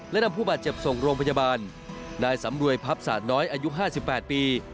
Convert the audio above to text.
และนำผู้บาดเจ็บส่งโรงพยาบาลนายสำรวยพับศาสตร์น้อยอายุ๕๘ปี